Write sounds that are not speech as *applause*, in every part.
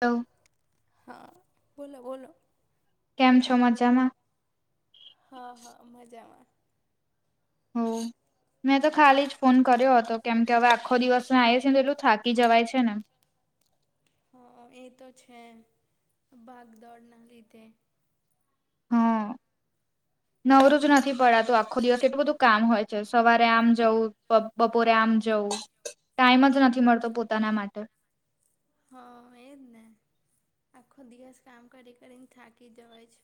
હા. હા બોલો બોલો. કેમ છો મજામાં? હા હા મજામાં. હો મેં તો ખાલી જ ફોન કર્યો હતો. તો કેમ કે હવે આખો દિવસ આ છીએ ને એટલું થાકી જવાય છે ને. હા એ તો છે ભાગદોડ ના લીધે. હા. નવરોજ નથી પડતું આખો દિવસ એટલું બધું કામ હોય છે. સવારે આમ જવું બપોરે આમ જવું ટાઈમ જ નથી મળતો પોતાના માટે. હ એજ ને આખો દિવસ કામ કરી કરીને થાકી જવાય છે.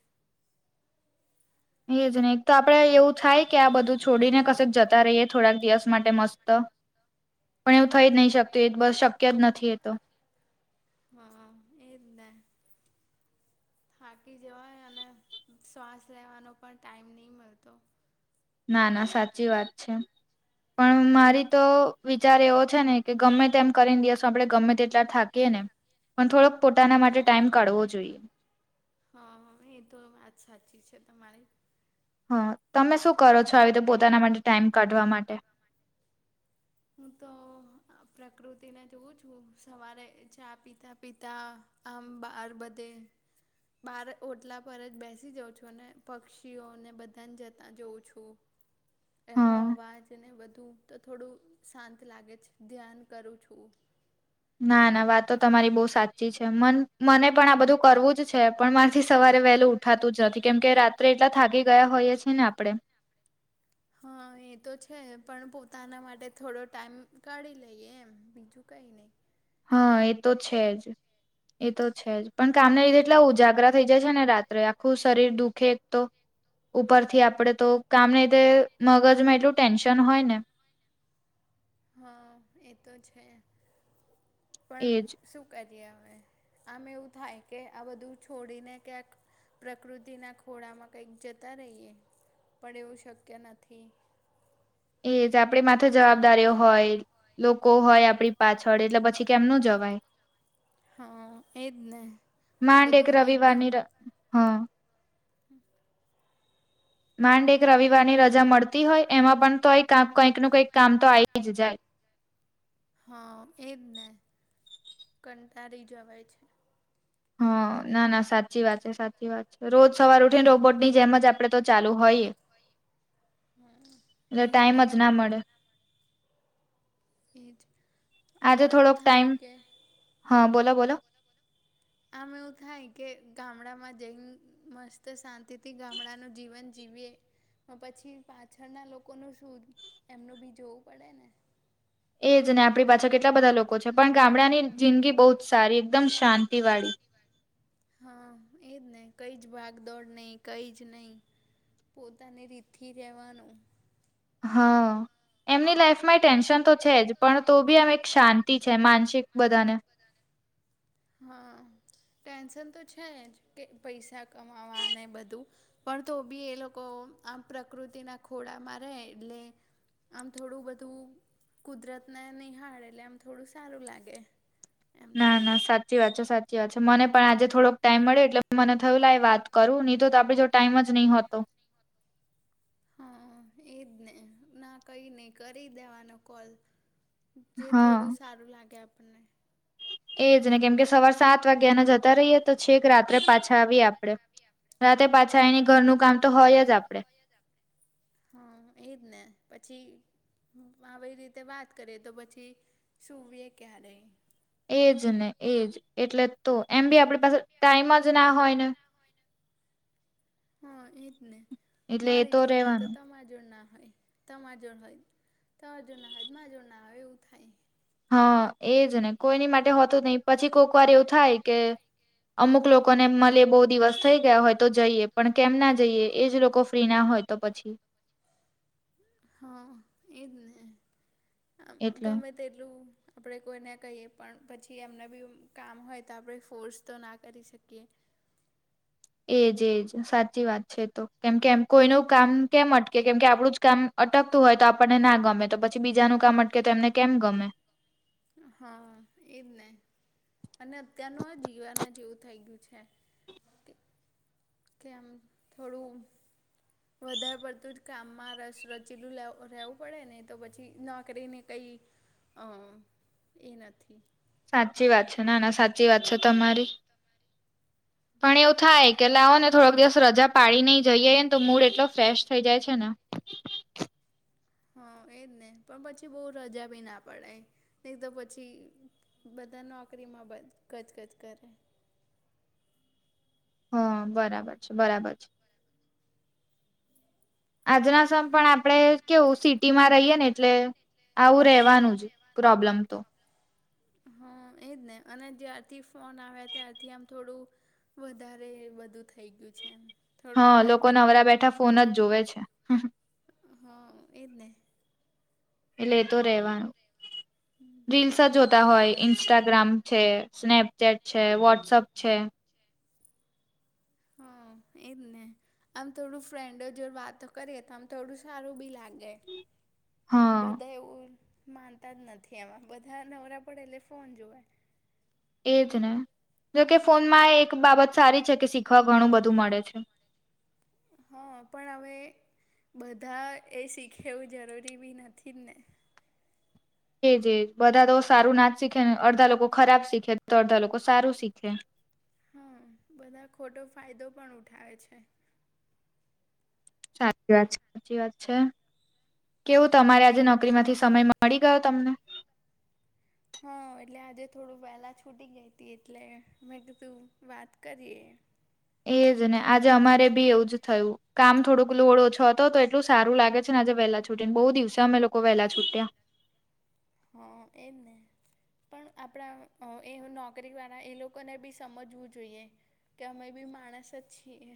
એ જ ને. તો આપણે એવું થાય કે આ બધું છોડીને કશેક જતા રહીએ થોડાક દિવસ માટે મસ્ત. પણ એવું થઈ જ નહી શકતું એ બસ શક્ય જ નથી એતો. હા એજ ને. હાકી જવાય અને શ્વાસ લેવાનો પણ ટાઈમ નહીં મળતો. ના ના સાચી વાત છે પણ મારી. તો વિચાર એવો છે ને કે ગમે તેમ કરીને દઈશ આપડણે ગમે તેટલા થાકીએ ને. પણ થોડોક પોતાના માટે ટાઈમ કાઢવો જોઈએ. હા એ તો વાત સાચી છે તમારી. હા તમે શું કરો છો આવી રીતે પોતાના માટે ટાઈમ કાઢવા માટે. હું તો. પ્રકૃતિને જોઉં છું સવારે ચા પીતા પીતા આમ બાર બધે. બહાર ઓટલા પર જ બેસી જાઉં છું અને પક્ષીઓને બધાને જતા જાઉં છું. એમનો અવાજને બધું તો થોડું શાંત લાગે છે ધ્યાન કરું છું. ના ના વાતો તો તમારી બહુ સાચી છે મ મને. પણ આ બધું કરવું જ છે પણ માંથી સવારે વહેલું ઉઠાતું જ નથી કેમ કે રાત્રે એટલા થાકીી ગયા હોય. છે ને આપણેે. હા એ તો છે પણ પોતાના માટે થોડો ટાઈમ કાઢી લઈએ એમ બીજું કંઈ નહીં. હા એ તો છે જ. એ તો છે જ પણ કામને લીધે એટલા ઉજાગરા થઈ જાય છે ને રાત્રે આખું શરીર દુઃખે એક તો. ઉપરથી આપડે તો કામ ધે મગજમાં એટલું ટેન્શન હોય ને હા એ તો છે પણ શું. કરીએ હવે આમ એવું થાય કે આ બધું છોડીને ક્યાંક. પ્રકૃતિના ખોળામાં કંઈક જતા રહીએ પણ એવું શક્ય નથી. એજ આપડી માથે જવાબદારીઓ હોય લોકો હોય આપડી પાછળ એટલે પછી. કેમ નુ જવાય. હા એજ ને આ બધું એકદમ. હા. હમ. માંડ એક રવિવારની રજા મળતી હોય એમાં પણ તોય ક કંઈક નું કઈક કામ તો આવી જ જાય. હા એજ ને કંટાળી જવાય છે. હ ના ના સાચી વાત છે સાચી વાત. રોજ સવાર ઉઠીને રોબોટ ની જેમ જ આપડે તો ચાલુ હોય એ. એલે ટાઈમ જ ના મળે. એ જ હમે એઉ થા હ કે. હા બોલો બોલો. આમ એવું થાય કે ગામડામાં જઈને. મસ્ત શાંતિથી ગામડાનું જીવન જીવીએ. પછી પાછળના લોકોનું શું એમનું બી જોવું પડે ને. એ જ ને આપણી પાછા કેટલા બધા લોકો છે પણ ગામડાની જિંદગી બહુ જ સારી એકદમ શાંતિ વાળી. હા એજ ને કઈ જ ભાગ દોડ નહી કઈ જ નહી. પોતાની રીથી રહેવાનું. હા. એમની લાઈફમાં ટેન્શન તો છે જ પણ તો બી આમ એક શાંતિ છે માનસિક બધાને. હા ટેન્શન તો છે જ કે પૈસા કમાવા ને બધું. પણ તો બી એ લોકો આમ પ્રકૃતિના ખોડામાં રહે એટલે. આમ થોડું બધું. કુદરતને નિહાળે એટલે એમ થોડું સારું લાગે. ના ના સાચી વાત છે સાચી વાત છે મને પણ આજે થોડોક ટાઈમ મળે એટલે. મને થયું લાય એ વાત કરું નીધો તો આપડી જોડે ટાઈમ જ નહીં હોતો. હા એજ ને ના કહીને કરી દેવાનો કોલ જે થોડું સારું લાગે આપણને એજ ને કેમકે સવાર સાત વાગ્યાના જતા રહીએ તો છેક રાત્રે પાછા આવીએ આપડે રાતે પાછા આવીને ઘરનું કામ તો હોય જ આપડે હા એજ ને પછી આવી રીતે વાત કરીએ તો પછી સુવીએ ક્યારે એજ ને એજ એટલે તો એમ બી આપડી પાસે ટાઈમ જ ના હોય ને હા એજ ને મારી જોડ હોય તો તમાર જોડ ના હોય તમાર જોર હોય તમાર જોર ના હોય માર જોડ ના આવે એવું થાય. હા એજ ને કોઈની માટે હોતું જ નહી પછી કોક વાર એવું થાય કે અમુક લોકોને મળી બહુ દિવસ થઈ ગયા હોય તો જઈએ પણ કેમ ના જઈએ એજ લોકો ફ્રી ના હોય તો પછી હા એજ ને આમ ગમે તે એટલું આપણે કોઈને કહીએ પણ પછી એમના બી કામ હોય તો આપણે ફોર્સ તો ના કરી શકીએ. એજ એજ સાચી વાત છે તો કેમ કે એમ કોઈનું કામ કેમ અટકે કેમ કે આપણું જ કામ અટકતું હોય તો આપણને ના ગમે તો પછી બીજાનું કામ અટ કે તેમને કેમ ગમે હા એજ ને અને અત્યારનું જીવાના જેવું થઈ ગયું છે. કે આમ થોડું વધારે પડતું જ કામમાં રસ રચીલું રહેવું પડે ને તો પછી નોકરીને કંઈ અ એ નથી. સાચી વાત છે ના ના સાચી વાત છે તમારી પણ એવું થાય કેટલે આવો ને થોડોક દિવસ રજા પાડી નઈ જઈએ ને તો મૂડ એટલો ફ્રેશ થઈ જાય છે ને હ એજ ને પણ પછી બહુ રજા બી ના પડાય. એક તો પછી બધા નોકરીમાં બધ કચકચ કરે. હા બરાબર છે બરાબર છે આજના સમય પણ આપણે કેવું સિટીમાં રહીએ ને એટલે આવું રહેવાનું જ પ્રોબ્લેમ તો હ એજ ને અને જ્યારથી ફોન આવ્યા ત્યારથી આમ થોડું વધારે બધું થઈ ગયું છે એમ. હા લોકો નવરા બેઠા ફોન જ જોવે છે. હા એજને. એટલે તો રહેેવાનું રીલસ જ જોત તા હોય ઇન્સ્ટાગ્રામ છે સ્નેપચેટ છે વોટસઅપ છે. હા એજ ને. આમ થોડું ફ્રેન્ડો જોડે વાતો કરીએ તો આમ થોડું સારું બી લાગે. પણ બધા એવું માનતા જ નથી એમાં બધા નવરા પડે એટલે ફોન જોવે. એ જ ને જોકે ફોનમાં એક બાબત સારી છે કે શીખવા ઘણું બધું મળે છે. હા પણ હવે બધા એ શીખેવું જરૂરી બી નથી ને. એજ એ બધા તો સારું ના જ શીખેને અડધા લોકો ખરાબ સીખે તો અડધા લોકો સારું શીખે. હા બધા ખોટો ફાયદો પણ ઉઠાવે છે. સાચી વાત છે સાચી વાત છે કેવું તમારે આજે નોકરી માંથી સમય મળે મળી ગયો તમને. હા એટલે આજે થોડું વહેલાં છૂટી ગઈ હતી એટલે મેં કીધું વાત કરીએ. એજ ને આજે અમારે બી એવું જ થયું કામ થોડુંક લોડ ઓછો હતો તો એટલું સારું લાગે છે ને આજે વહેલા છૂટી બહુ દિવસે અમે લોકો વેલા છૂટ્યા. હા એમને. પણ આપણા એ નોકરી વાળા એ લોકોને બી સમજવું જોઈએ. કે અમે બી માણસ છીએ.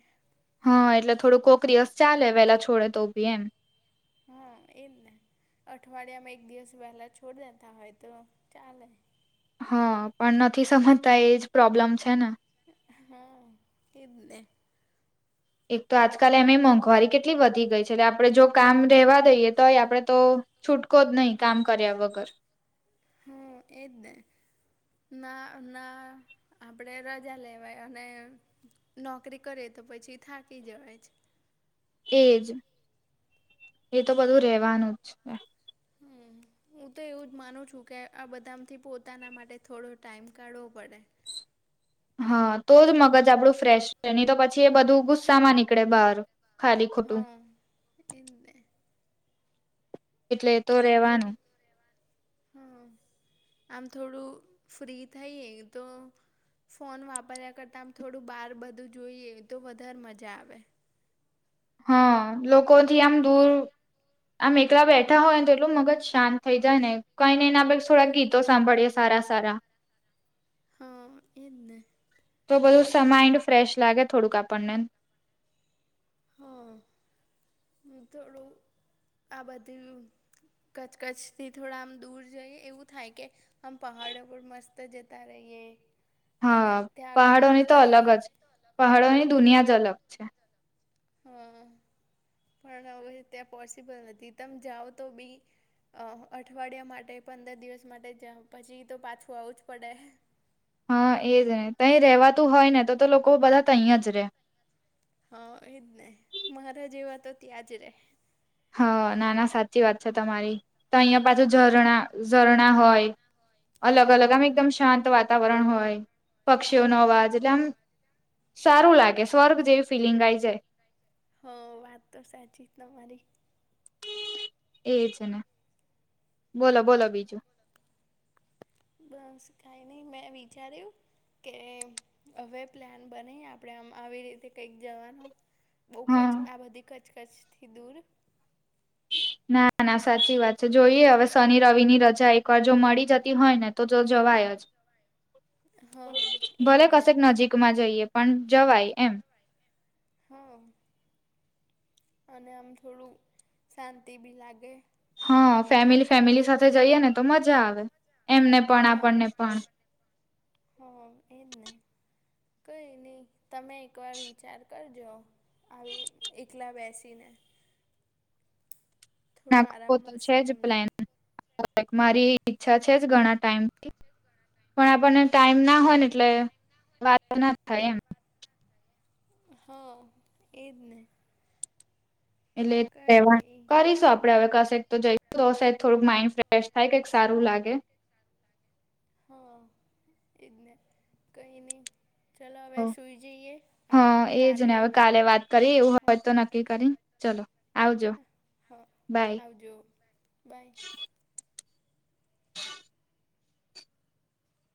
હા, એટલે થોડું કોકરીયસ ચાલે, પેલા છોડે તો ભી એમ. હા, એજ ને, અઠવાડિયામાં એક દિવસ પહેલા છોડ દેતા હોય તો ચાલે. હા, પણ નથી સમજતા, એજ પ્રોબ્લેમ છે ને. હા, એને. એક તો આજકાલ એમ મોંઘવારી કેટલી વધી ગઈ છે, એટલે આપડે જો કામ રહેેવા દઈએ તોય આપણે તો. છુટકો જ નહીં, કામ કર્યા વગર. હમ, એજ, ના ના. આપણે રજા લેવાય અને નોકરી કરીએ તો પછી થાકી જવાય છે. એજ એતો બધું રેવાનું જ છે. *unintelligible* હું તો એવું જ માનું છું કે આ બધામથી પોતાના માટે થોડો ટાઈમ કાઢવો પડે. હા, તો જ મગજ આપડું ફ્રેશ છે, નહીં તો પછી એ બધું ગુસ્સામાં નીકળે બહાર. હા, એન. આમ થોડું, હા હ. આમ થોડું ફ્રી થઈએ તો. ફોન વાપર્યા કરતાં આમ થોડું બહાર બધું જોઈએ તો વધારે મજા આવે. હા, લોકોથી આમ દૂર. આમ એકલા બેઠા હોય ને, તો એટલું મગજ શાંત થઈ જાય ને, કંઈને એને આપણે થોડાક ગીતો સાંભળીએ. સારા, સારા. હા, એને. તો બધું માઈન્ડ ફ્રેશ લાગે, થોડુંક આપણને. હા, હું થોડું આ બધી. કચ્ કચ્છ થી થોડા આમ દૂર જઈએ એવું થાય કે. હમ, પહાડો પર મસ્ત જતા રહીએ. હા, પહાડોની તો અલગ જ, પહાડોની દુનિયા જ અલગ છે. *unintelligible* પણ હવે ત્યાં પોસિબલ નથી, તમે જાઓ તો બી. અ અઠવાડિયા માટે, પંદર દિવસ માટે જ, પછી તો પાછું આવવું જ પડે. હા, એજ, નહીં તહીં રેવાતું હોય ને, તો તો લોકો બધા તહીં ત્યાં જ રહે. હા, એજ, નહીં, મારા જે એવા તો ત્યાં જ રે. હા, નાના, સાચી વાત છે તમારી તો, અહિયાં પાછું ઝરણા ઝરણા હોય. અલગ અલગ આમ એકદમ શાંત વાતાવરણ હોય, પક્ષીઓનો અવાજ, એટલે આમ સારું લાગે, સ્વર્ગ જેવી ફીલિંગ આઈ જાય. હ, વાત તો સાચી જ તમારી. એ જ ને, બોલો બોલો બીજું. બ શીખાય નહીં, મેં વિચાર્યું. કે હવે પ્લાન બની, આપણે આમ આવી રીતે કંઈક જવાનું. બહુ ક, આ બધી કચકચ થી દૂર. ના, ના, સાચી વાત છે, જોઈએ હવે શનિ-રવિ ની રજા એક વાર જો મળી જતી હોય ને. તો તો જવાય જ, ભલે કશેક નજીક. માં જઈએ પણ જવાય એમ. હા. અને આમ થોડું શાંતિ બી લાગે. હા, ફેમિલી ફેમિલી સાથે જઈએ ને, તો મજા આવે એમને પણ, આપણને પણ. હા, એને. કઈ નહીં, તમે એક વાર વિચાર કરજો. આવી એકલા બેસીને. નાખ પોતા ચજૂપ લન *unintelligible* મારી ઈચ્છા છે જ ઘણા ટાઈમથી. પણ આપણને ટાઈમ ના હોય ને એટલે વાતો ના થાય એમ. હા એજ ને. એટલે તહેવા કરીશું આપડે હવે કશે તો જઈ. તો સાાયદ થોડુંક માઈન્ડ ફ્રેશ થાય કઈક સારું લાગે. હા એને કઈ નહી. ચલો હવે સુઈ જઈએ આપડે કાલે હ. ચલો. હ હ આવ જો બાય, હ.